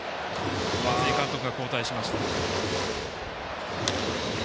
松井監督が交代しました。